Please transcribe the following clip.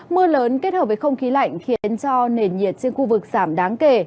mưa lớn kết hợp với không khí lạnh khiến cho nền nhiệt trên khu vực giảm đáng kể